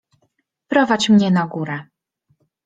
Prowadź mnie na górę.